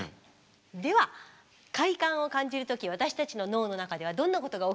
では快感を感じる時私たちの脳の中ではどんなことが起きているのか。